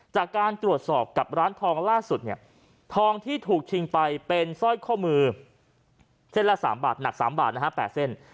จากการตรวจสอบกับร้านทองล่าสุดเนี่ยทองที่ถูกชิงไปเป็นสร้อยข้อมือเส้นละ๓บาทหนัก๓บาทนะฮะ๘เส้น